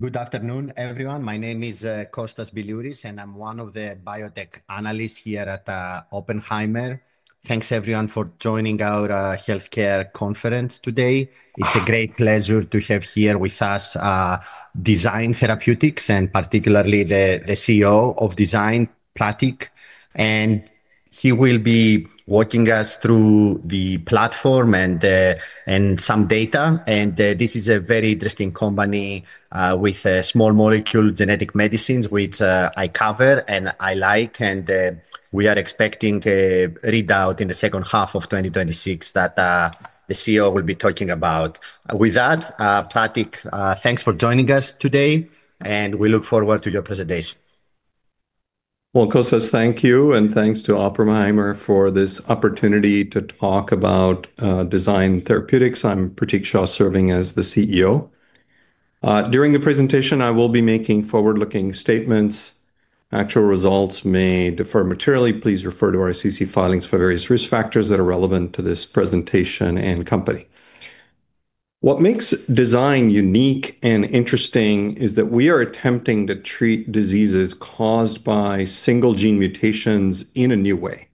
Good afternoon, everyone. My name is Kostas Biliouris, and I'm one of the biotech analysts here at Oppenheimer. Thanks, everyone, for joining our healthcare conference today. It's a great pleasure to have here with us Design Therapeutics, and particularly the CEO of Design, Pratik, he will be walking us through the platform and some data. This is a very interesting company with small molecule genetic medicines, which I cover and I like, we are expecting a readout in the second half of 2026 that the CEO will be talking about. With that, Pratik, thanks for joining us today, and we look forward to your presentation. Kostas, thank you, and thanks to Oppenheimer for this opportunity to talk about Design Therapeutics. I'm Pratik Shah, serving as the CEO. During the presentation, I will be making forward-looking statements. Actual results may differ materially. Please refer to our SEC filings for various risk factors that are relevant to this presentation and company. What makes Design unique and interesting is that we are attempting to treat diseases caused by single gene mutations in a new way.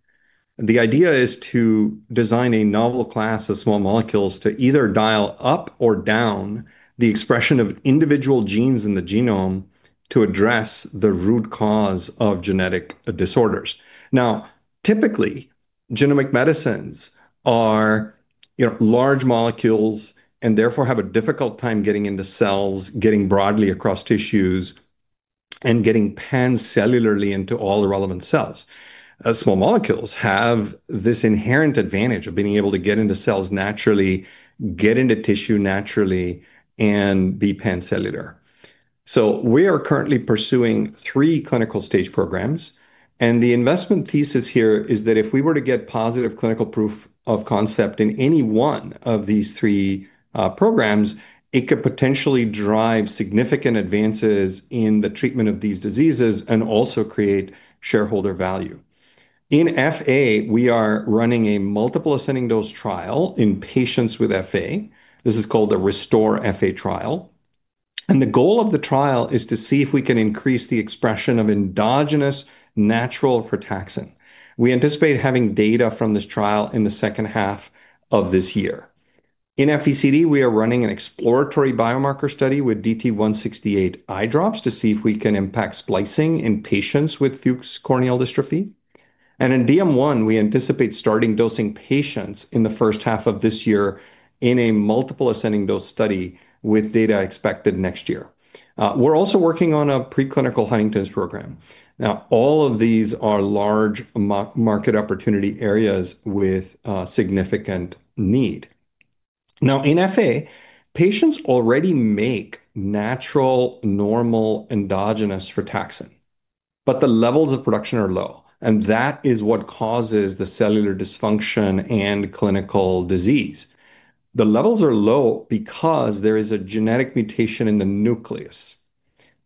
The idea is to design a novel class of small molecules to either dial up or down the expression of individual genes in the genome to address the root cause of genetic disorders. Typically, genomic medicines are, you know, large molecules and therefore have a difficult time getting into cells, getting broadly across tissues, and getting pan-cellularly into all the relevant cells. Small molecules have this inherent advantage of being able to get into cells naturally, get into tissue naturally, and be pan-cellular. We are currently pursuing three clinical-stage programs, and the investment thesis here is that if we were to get positive clinical proof of concept in any one of these three programs, it could potentially drive significant advances in the treatment of these diseases and also create shareholder value. In FA, we are running a multiple ascending-dose trial in patients with FA. This is called the RESTORE-FA trial, and the goal of the trial is to see if we can increase the expression of endogenous natural frataxin. We anticipate having data from this trial in the second half of this year. In FECD, we are running an exploratory biomarker study with DT-168 eye drops to see if we can impact splicing in patients with Fuchs' corneal dystrophy. In DM1, we anticipate starting dosing patients in the first half of this year in a multiple ascending-dose study with data expected next year. We're also working on a preclinical Huntington's program. All of these are large market opportunity areas with significant need. In FA, patients already make natural, normal, endogenous frataxin, but the levels of production are low, and that is what causes the cellular dysfunction and clinical disease. The levels are low because there is a genetic mutation in the nucleus.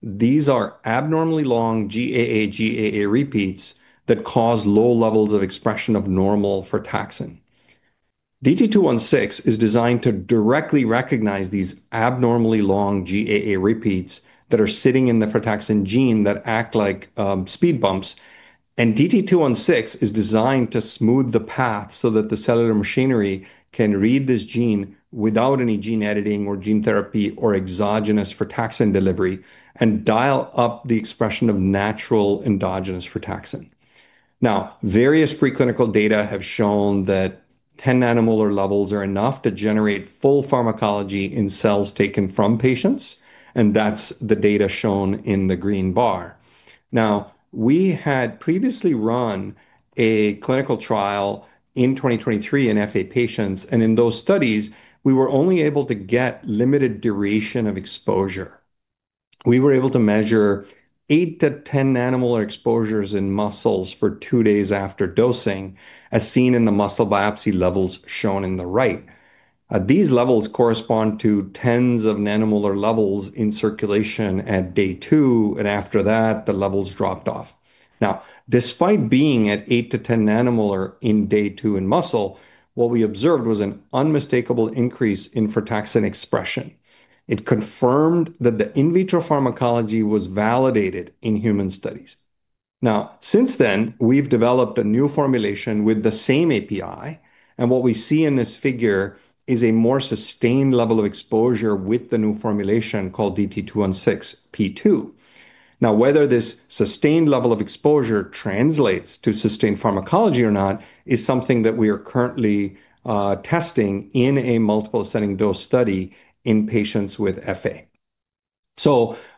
These are abnormally long GAA GAA repeats that cause low levels of expression of normal frataxin. DT-216 is designed to directly recognize these abnormally long GAA repeats that are sitting in the frataxin gene that act like speed bumps, and DT-216 is designed to smooth the path so that the cellular machinery can read this gene without any gene editing or gene therapy or exogenous frataxin delivery, and dial up the expression of natural endogenous frataxin. Various preclinical data have shown that 10 nanomolar levels are enough to generate full pharmacology in cells taken from patients, and that's the data shown in the green bar. We had previously run a clinical trial in 2023 in FA patients, and in those studies, we were only able to get limited duration of exposure. We were able to measure 8-10 nanomolar exposures in muscles for two days after dosing, as seen in the muscle biopsy levels shown in the right. These levels correspond to tens of nanomolar levels in circulation at day two, and after that, the levels dropped off. Despite being at 8-10 nanomolar in day two in muscle, what we observed was an unmistakable increase in frataxin expression. It confirmed that the in vitro pharmacology was validated in human studies. Since then, we've developed a new formulation with the same API, and what we see in this figure is a more sustained level of exposure with the new formulation called DT-216P2. Now, whether this sustained level of exposure translates to sustained pharmacology or not is something that we are currently testing in a multiple ascending-dose study in patients with FA.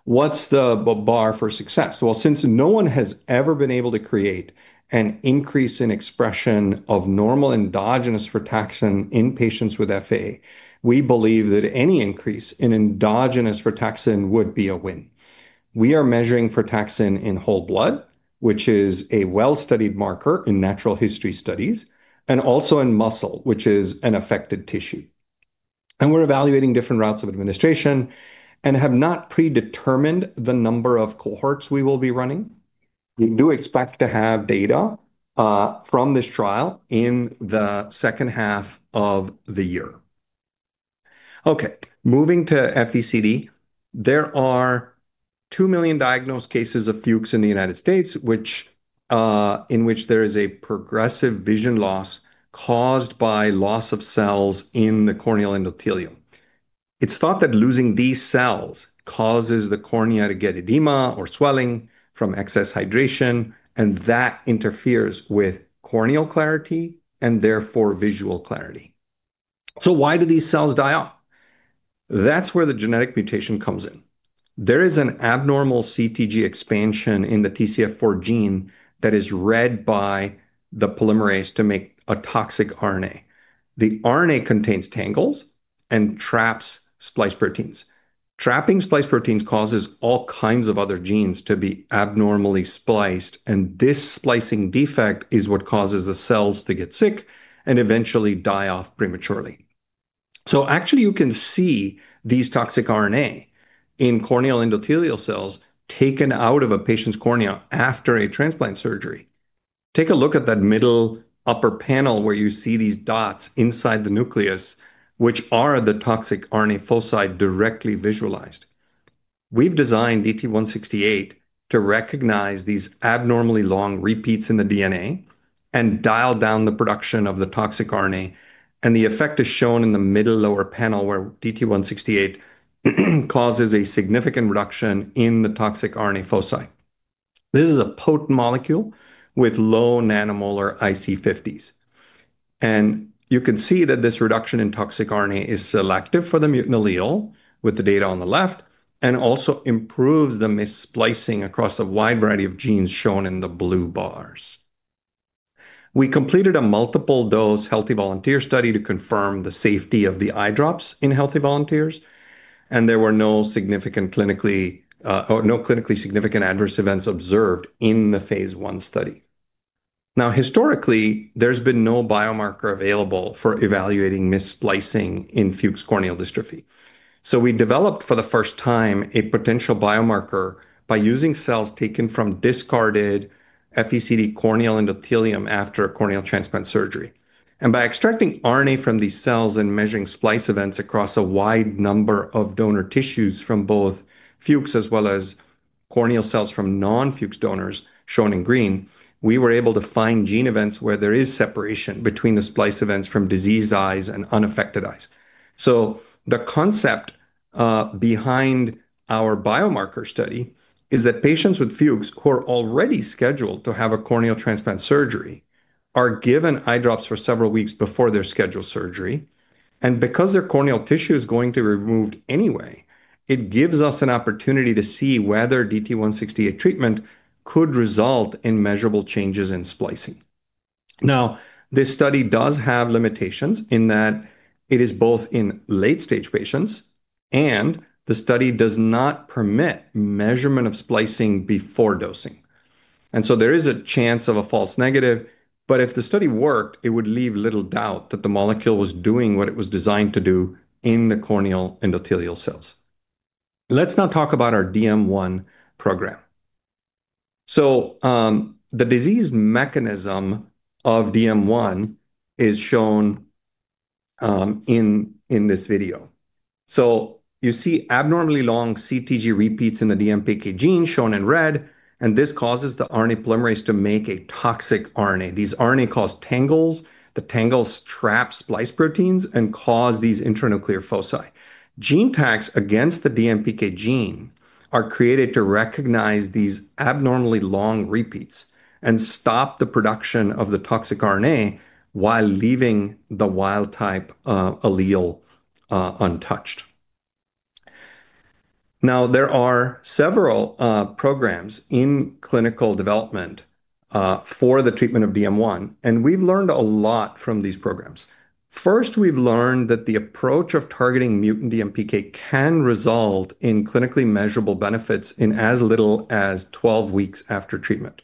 What's the bar for success? Well, since no one has ever been able to create an increase in expression of normal endogenous frataxin in patients with FA, we believe that any increase in endogenous frataxin would be a win. We are measuring frataxin in whole blood, which is a well-studied marker in natural history studies, and also in muscle, which is an affected tissue. We're evaluating different routes of administration and have not predetermined the number of cohorts we will be running. We do expect to have data from this trial in the second half of the year. Moving to FECD. There are 2 million diagnosed cases of Fuchs' in the United States, which, in which there is a progressive vision loss caused by loss of cells in the corneal endothelium. It's thought that losing these cells causes the cornea to get edema or swelling from excess hydration, and that interferes with corneal clarity and therefore visual clarity. Why do these cells die off? That's where the genetic mutation comes in. There is an abnormal CTG expansion in the TCF4 gene that is read by the polymerase to make a toxic RNA. The RNA contains tangles and traps splice proteins. Trapping splice proteins causes all kinds of other genes to be abnormally spliced, and this splicing defect is what causes the cells to get sick and eventually die off prematurely. Actually, you can see these toxic RNA in corneal endothelial cells taken out of a patient's cornea after a transplant surgery. Take a look at that middle upper panel, where you see these dots inside the nucleus, which are the toxic RNA foci directly visualized. We've designed DT-168 to recognize these abnormally long repeats in the DNA and dial down the production of the toxic RNA, and the effect is shown in the middle lower panel, where DT-168 causes a significant reduction in the toxic RNA foci. This is a potent molecule with low nanomolar IC50s. You can see that this reduction in toxic RNA is selective for the mutant allele, with the data on the left, and also improves the missplicing across a wide variety of genes shown in the blue bars. We completed a multiple dose healthy volunteer study to confirm the safety of the eye drops in healthy volunteers, and there were no clinically significant adverse events observed in the phase I study. Historically, there's been no biomarker available for evaluating mis splicing in Fuchs' corneal dystrophy. We developed, for the first time, a potential biomarker by using cells taken from discarded FECD corneal endothelium after a corneal transplant surgery. By extracting RNA from these cells and measuring splice events across a wide number of donor tissues from both Fuchs as well as corneal cells from non-Fuchs donors, shown in green, we were able to find gene events where there is separation between the splice events from diseased eyes and unaffected eyes. The concept behind our biomarker study is that patients with Fuchs' who are already scheduled to have a corneal transplant surgery are given eye drops for several weeks before their scheduled surgery, and because their corneal tissue is going to be removed anyway, it gives us an opportunity to see whether DT-168 treatment could result in measurable changes in splicing. This study does have limitations in that it is both in late-stage patients, and the study does not permit measurement of splicing before dosing. There is a chance of a false negative, but if the study worked, it would leave little doubt that the molecule was doing what it was designed to do in the corneal endothelial cells. Let's now talk about our DM1 program. The disease mechanism of DM1 is shown in this video. You see abnormally long CTG repeats in the DMPK gene, shown in red, and this causes the RNA polymerase to make a toxic RNA. These RNA cause tangles. The tangles trap splice proteins and cause these intranuclear foci. GeneTACs against the DMPK gene are created to recognize these abnormally long repeats and stop the production of the toxic RNA while leaving the wild type allele untouched. There are several programs in clinical development for the treatment of DM1. We've learned a lot from these programs. First, we've learned that the approach of targeting mutant DMPK can result in clinically measurable benefits in as little as 12 weeks after treatment.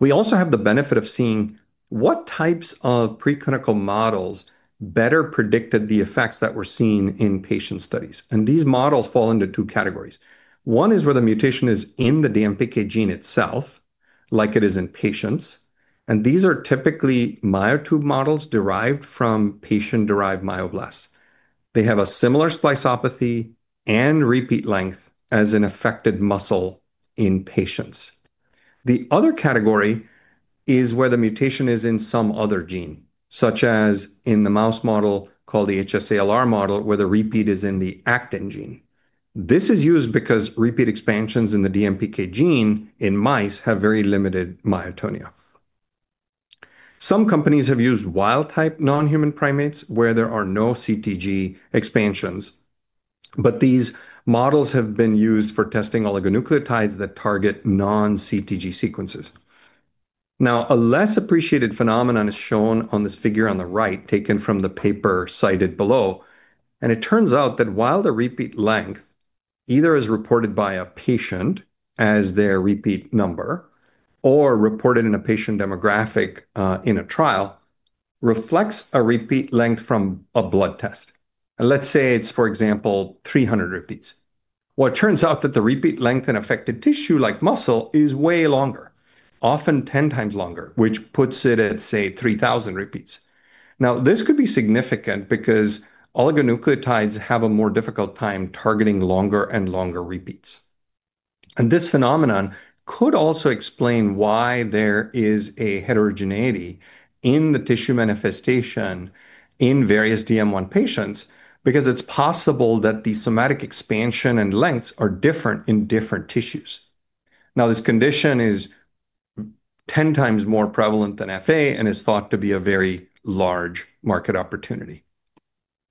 We also have the benefit of seeing what types of preclinical models better predicted the effects that were seen in patient studies, and these models fall into two categories. One is where the mutation is in the DMPK gene itself, like it is in patients, and these are typically myotube models derived from patient-derived myoblasts. They have a similar spliceopathy and repeat length as an affected muscle in patients. The other category is where the mutation is in some other gene, such as in the mouse model, called the HSA-LR model, where the repeat is in the actin gene. This is used because repeat expansions in the DMPK gene in mice have very limited myotonia. Some companies have used wild-type non-human primates where there are no CTG expansions, but these models have been used for testing oligonucleotides that target non-CTG sequences. A less appreciated phenomenon is shown on this figure on the right, taken from the paper cited below, and it turns out that while the repeat length either is reported by a patient as their repeat number or reported in a patient demographic reflects a repeat length from a blood test, and let's say it's, for example, 300 repeats. It turns out that the repeat length and affected tissue, like muscle, is way longer, often 10x longer, which puts it at, say, 3,000 repeats. This could be significant because oligonucleotides have a more difficult time targeting longer and longer repeats. This phenomenon could also explain why there is a heterogeneity in the tissue manifestation in various DM1 patients, because it's possible that the somatic expansion and lengths are different in different tissues. This condition is 10x more prevalent than FA and is thought to be a very large market opportunity.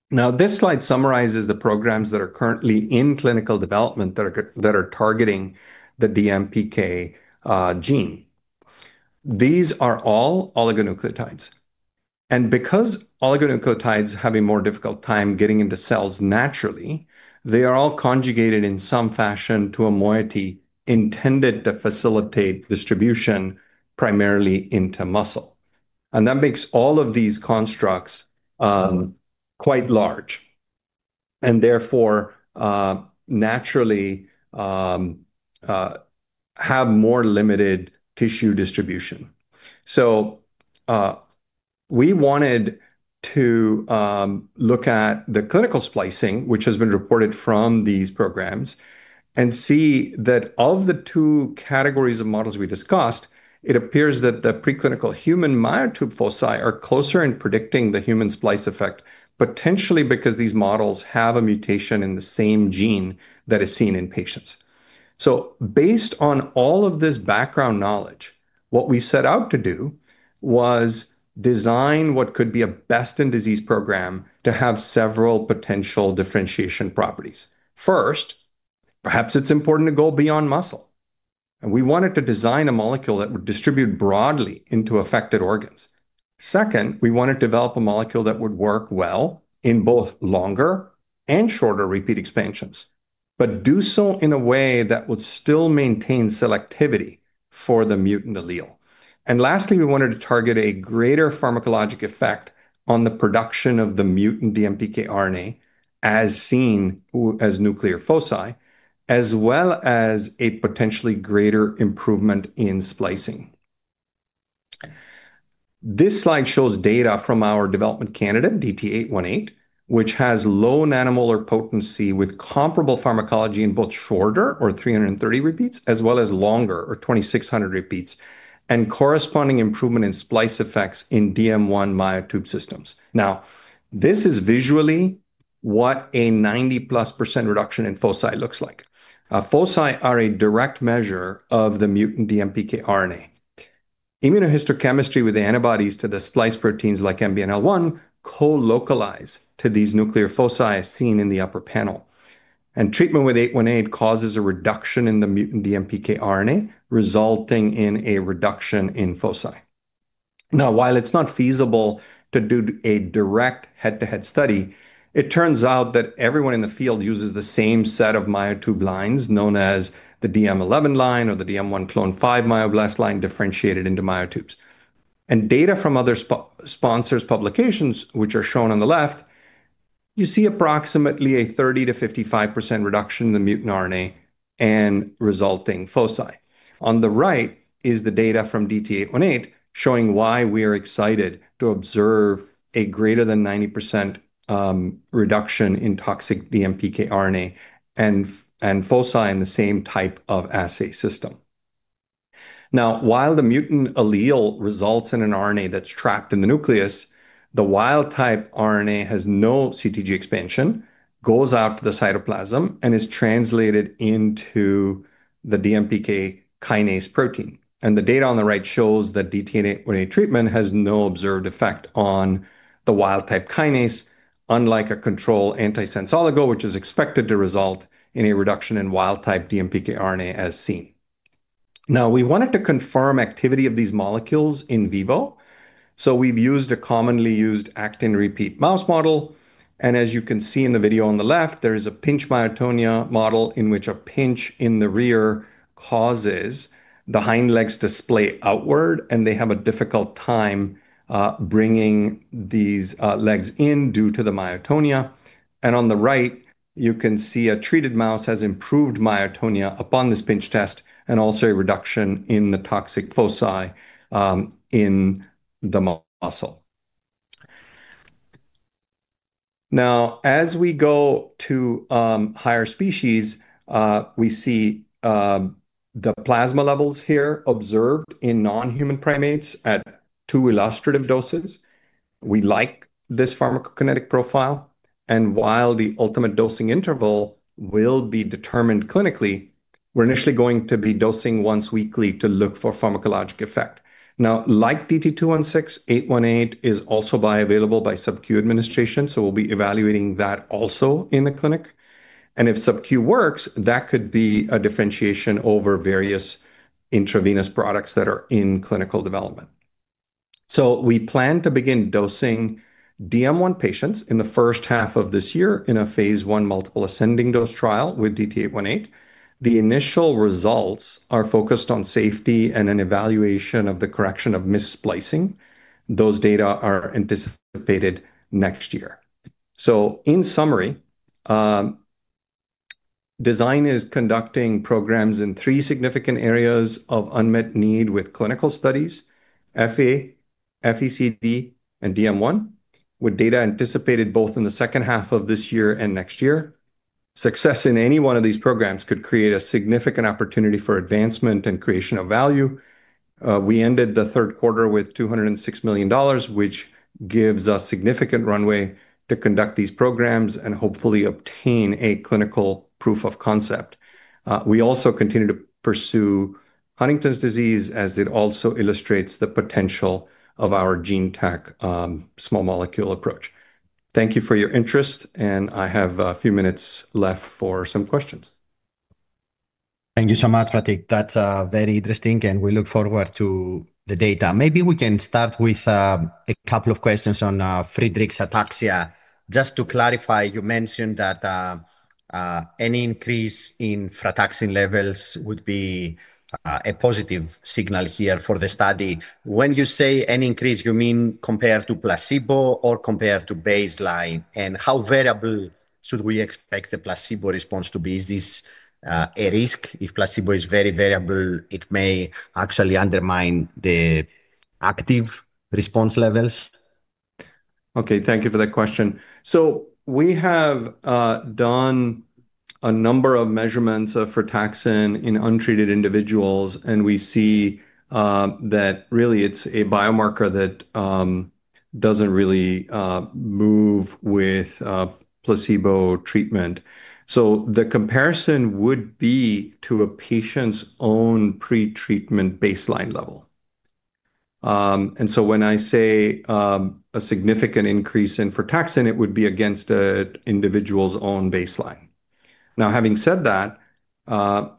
This slide summarizes the programs that are currently in clinical development that are targeting the DMPK gene. These are all oligonucleotides, and because oligonucleotides have a more difficult time getting into cells naturally, they are all conjugated in some fashion to a moiety intended to facilitate distribution primarily into muscle. That makes all of these constructs quite large and therefore, naturally, have more limited tissue distribution. We wanted to look at the clinical splicing, which has been reported from these programs, and see that of the two categories of models we discussed, it appears that the preclinical human myotube foci are closer in predicting the human splice effect, potentially because these models have a mutation in the same gene that is seen in patients. Based on all of this background knowledge, what we set out to do was design what could be a best-in-disease program to have several potential differentiation properties. First, perhaps it's important to go beyond muscle, and we wanted to design a molecule that would distribute broadly into affected organs. Second, we wanted to develop a molecule that would work well in both longer and shorter repeat expansions, but do so in a way that would still maintain selectivity for the mutant allele. Lastly, we wanted to target a greater pharmacologic effect on the production of the mutant DMPK RNA, as seen as nuclear foci, as well as a potentially greater improvement in splicing. This slide shows data from our development candidate, DT-818, which has low nanomolar potency with comparable pharmacology in both shorter or 330 repeats, as well as longer or 2,600 repeats, and corresponding improvement in splice effects in DM1 myotube systems. Now, this is visually what a 90%+ reduction in foci looks like. A foci are a direct measure of the mutant DMPK RNA. Immunohistochemistry with the antibodies to the splice proteins like MBNL1 co-localize to these nuclear foci, as seen in the upper panel. Treatment with DT-818 causes a reduction in the mutant DMPK RNA, resulting in a reduction in foci. While it's not feasible to do a direct head-to-head study, it turns out that everyone in the field uses the same set of myotube lines, known as the DM1 line or the DM1 clone 5 myoblast line, differentiated into myotubes. Data from other sponsors' publications, which are shown on the left, you see approximately a 30%-55% reduction in the mutant RNA and resulting foci. On the right is the data from DT-818, showing why we are excited to observe a greater than 90% reduction in toxic DMPK RNA and foci in the same type of assay system. While the mutant allele results in an RNA that's trapped in the nucleus, the wild-type RNA has no CTG expansion, goes out to the cytoplasm, and is translated into the DMPK kinase protein. The data on the right shows that DT-818 treatment has no observed effect on the wild-type kinase, unlike a control antisense oligo, which is expected to result in a reduction in wild-type DMPK RNA, as seen. We wanted to confirm activity of these molecules in vivo, so we've used a commonly used actin repeat mouse model, and as you can see in the video on the left, there is a pinch myotonia model in which a pinch in the rear causes the hind legs to splay outward, and they have a difficult time bringing these legs in due to the myotonia. On the right, you can see a treated mouse has improved myotonia upon this pinch test and also a reduction in the toxic foci in the muscle. As we go to higher species, we see the plasma levels here observed in non-human primates at two illustrative doses. We like this pharmacokinetic profile, and while the ultimate dosing interval will be determined clinically, we're initially going to be dosing once weekly to look for pharmacologic effect. Like DT-216, DT-818 is also bioavailable by sub-Q administration, so we'll be evaluating that also in the clinic. If sub-Q works, that could be a differentiation over various intravenous products that are in clinical development. We plan to begin dosing DM1 patients in the first half of this year in a phase I multiple ascending-dose trial with DT-818. The initial results are focused on safety and an evaluation of the correction of missplicing. Those data are anticipated next year. In summary, Design is conducting programs in three significant areas of unmet need with clinical studies: FA, FECD, and DM1, with data anticipated both in the second half of this year and next year. Success in any one of these programs could create a significant opportunity for advancement and creation of value. We ended the third quarter with $206 million, which gives us significant runway to conduct these programs and hopefully obtain a clinical proof of concept. We also continue to pursue Huntington's disease, as it also illustrates the potential of our GeneTAC small molecule approach. Thank you for your interest, and I have a few minutes left for some questions. Thank you so much, Pratik. That's very interesting, and we look forward to the data. Maybe we can start with a couple of questions on Friedreich's ataxia. Just to clarify, you mentioned that any increase in frataxin levels would be a positive signal here for the study. When you say any increase, you mean compared to placebo or compared to baseline? How variable should we expect the placebo response to be? Is this a risk? If placebo is very variable, it may actually undermine the active response levels. Okay, thank you for that question. We have done a number of measurements of frataxin in untreated individuals, and we see that really it's a biomarker that doesn't really move with placebo treatment. The comparison would be to a patient's own pre-treatment baseline level. When I say a significant increase in frataxin, it would be against a individual's own baseline. Now, having said that,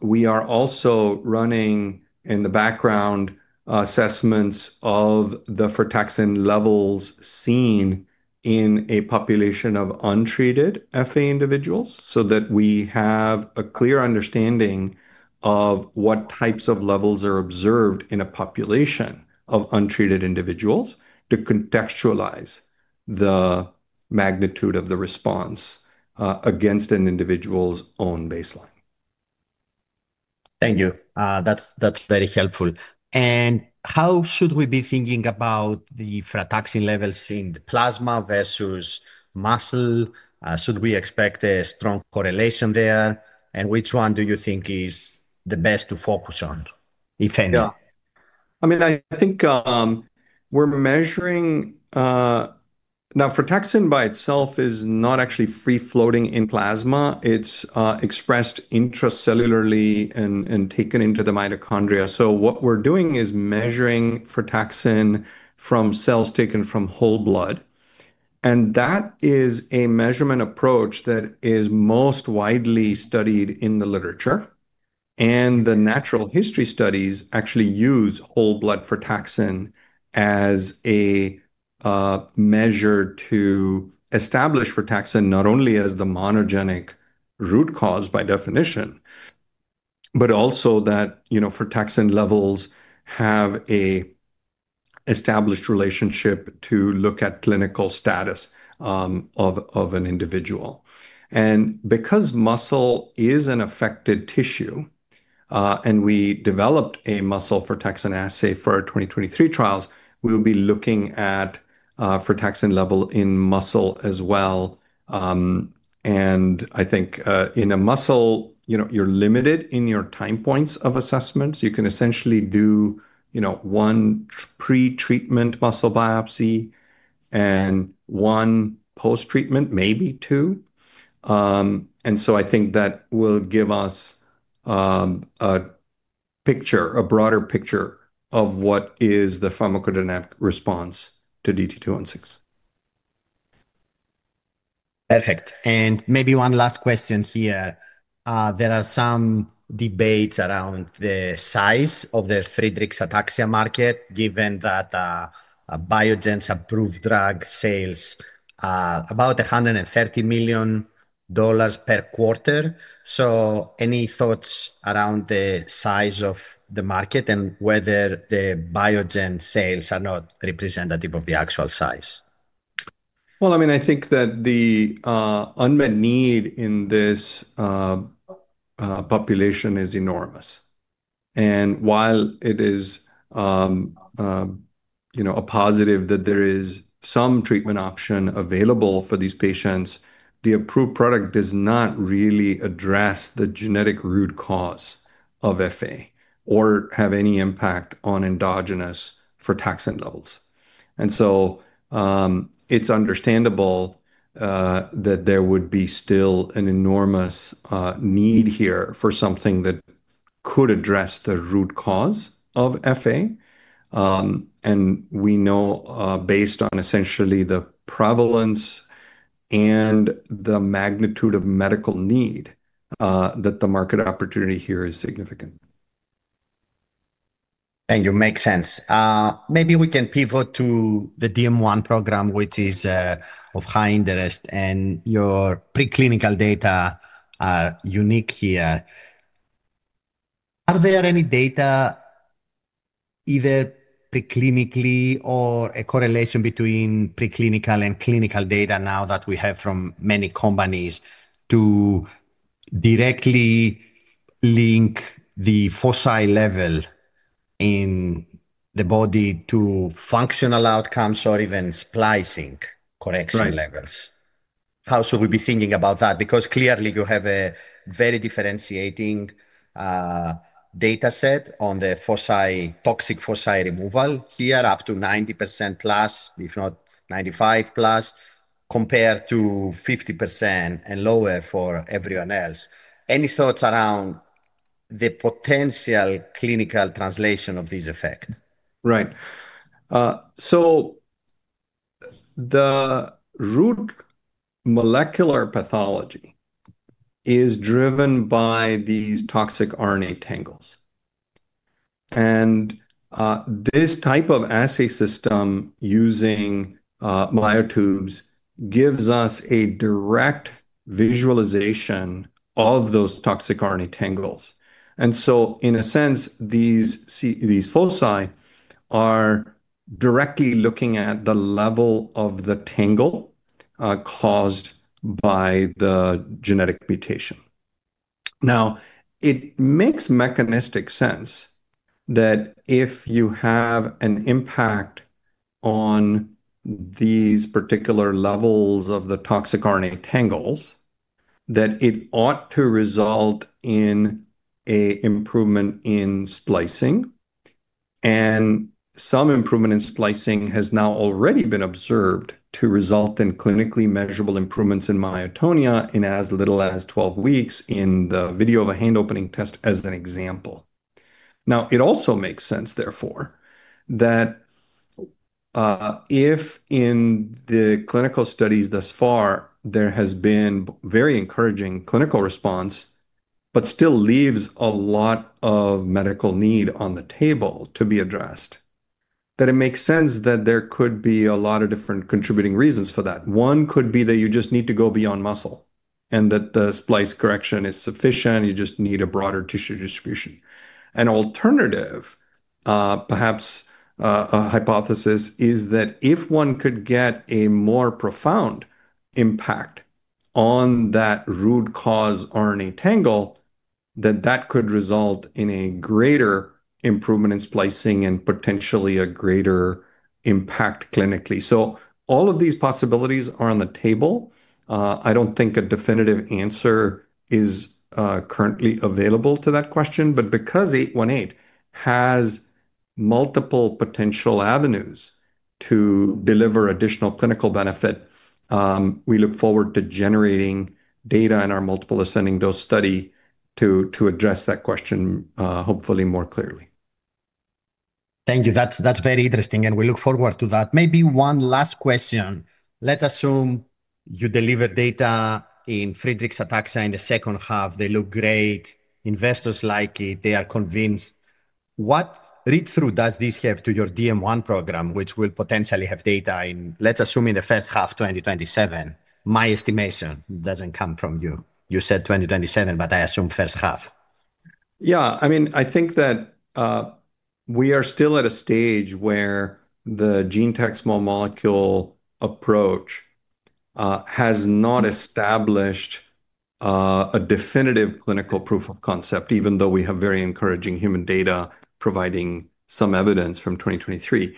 we are also running in the background assessments of the frataxin levels seen in a population of untreated FA individuals, so that we have a clear understanding of what types of levels are observed in a population of untreated individuals to contextualize the magnitude of the response against an individual's own baseline. Thank you. That's, that's very helpful. How should we be thinking about the frataxin levels in the plasma versus muscle? Should we expect a strong correlation there? Which one do you think is the best to focus on, if any? I mean, I think, Now, frataxin by itself is not actually free-floating in plasma. It's expressed intracellularly and taken into the mitochondria. What we're doing is measuring frataxin from cells taken from whole blood, and that is a measurement approach that is most widely studied in the literature, and the natural history studies actually use whole blood frataxin as a measure to establish frataxin, not only as the monogenic root cause by definition, but also that, you know, frataxin levels have a established relationship to look at clinical status of an individual. Because muscle is an affected tissue, and we developed a muscle frataxin assay for our 2023 trials, we'll be looking at frataxin level in muscle as well. I think, in a muscle, you know, you're limited in your time points of assessment. You can essentially do, you know, one pre-treatment muscle biopsy and one post-treatment, maybe two. I think that will give us a picture, a broader picture of what is the pharmacodynamic response to DT-216. Perfect. Maybe one last question here. There are some debates around the size of the Friedreich's ataxia market, given that Biogen's approved drug sales are about $130 million per quarter. Any thoughts around the size of the market and whether the Biogen sales are not representative of the actual size? Well, I mean, I think that the unmet need in this population is enormous. While it is, you know, a positive that there is some treatment option available for these patients, the approved product does not really address the genetic root cause of FA or have any impact on endogenous frataxin levels. It's understandable that there would be still an enormous need here for something that could address the root cause of FA. We know, based on essentially the prevalence and the magnitude of medical need, that the market opportunity here is significant. Thank you. Makes sense. Maybe we can pivot to the DM1 program, which is of high interest, and your preclinical data are unique here. Are there any data, either preclinically or a correlation between preclinical and clinical data now that we have from many companies, to directly link the foci level in the body to functional outcomes or even splicing correction levels? Right. How should we be thinking about that? Clearly, you have a very differentiating data set on the foci, toxic foci removal. Here, up to 90%+, if not 95%+, compared to 50% and lower for everyone else. Any thoughts around the potential clinical translation of this effect? Right. The root molecular pathology is driven by these toxic RNA tangles. This type of assay system using myotubes gives us a direct visualization of those toxic RNA tangles. In a sense, these foci are directly looking at the level of the tangle caused by the genetic mutation. Now, it makes mechanistic sense that if you have an impact on these particular levels of the toxic RNA tangles, that it ought to result in a improvement in splicing, and some improvement in splicing has now already been observed to result in clinically measurable improvements in myotonia in as little as 12 weeks in the video of a hand opening test, as an example. It also makes sense, therefore, that if in the clinical studies thus far, there has been very encouraging clinical response, but still leaves a lot of medical need on the table to be addressed, that it makes sense that there could be a lot of different contributing reasons for that. One could be that you just need to go beyond muscle, and that the splice correction is sufficient, you just need a broader tissue distribution. An alternative, perhaps, a hypothesis, is that if one could get a more profound impact on that root cause RNA tangle, then that could result in a greater improvement in splicing and potentially a greater impact clinically. All of these possibilities are on the table. I don't think a definitive answer is currently available to that question, but because DT-818 has multiple potential avenues to deliver additional clinical benefit, we look forward to generating data in our multiple ascending-dose study to address that question, hopefully more clearly. Thank you. That's very interesting. We look forward to that. Maybe one last question. Let's assume you deliver data in Friedreich's ataxia in the second half. They look great, investors like it, they are convinced. What read-through does this have to your DM1 program, which will potentially have data in, let's assume, in the first half of 2027? My estimation doesn't come from you. You said 2027, but I assume first half. I mean, I think that we are still at a stage where the GeneTAC small molecule approach has not established a definitive clinical proof of concept, even though we have very encouraging human data providing some evidence from 2023.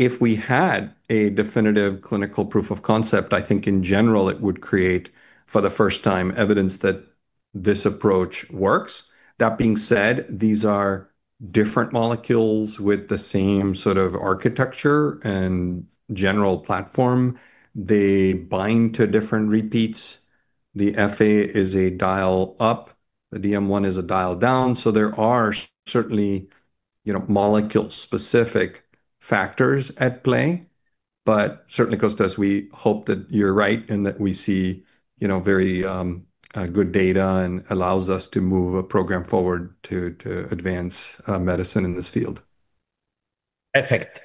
If we had a definitive clinical proof of concept, I think in general, it would create, for the first time, evidence that this approach works. That being said, these are different molecules with the same sort of architecture and general platform. They bind to different repeats. The FA is a dial up, the DM1 is a dial down, so there are certainly, you know, molecule-specific factors at play. Certainly, Kostas, we hope that you're right and that we see, you know, very good data and allows us to move a program forward to advance medicine in this field. Perfect.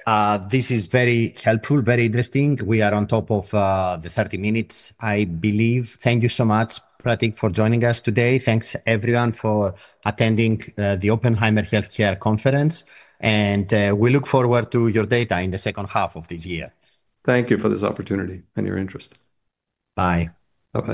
This is very helpful, very interesting. We are on top of the 30 minutes, I believe. Thank you so much, Pratik, for joining us today. Thanks, everyone, for attending the Oppenheimer Healthcare Conference. We look forward to your data in the second half of this year. Thank you for this opportunity and your interest. Bye. Bye-bye.